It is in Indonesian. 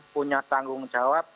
punya tanggung jawab